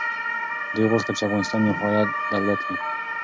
دوی غوښتل چي افغانستان یو حایل دولت وي.